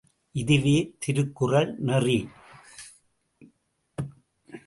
இதுவே திருக்குறள் நெறி!